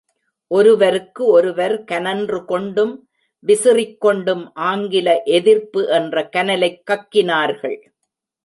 ஒருவருக்கு ஒருவர் கனன்று கொண்டும் விசிறிக் கொண்டும் ஆங்கில எதிர்ப்பு என்ற கனலைக் கக்கினார்கள்.